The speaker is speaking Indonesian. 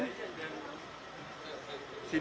yang dilakukan sidang disiplin